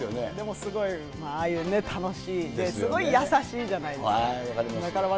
でもすごい、ああいう楽しい、で、すごい優しいじゃないですか。